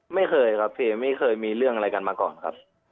ไม่เคยครับพี่ไม่เคยมีเรื่องอะไรกันมาก่อนครับ